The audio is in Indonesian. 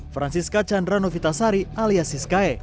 francisca chandra novitasari alias siskae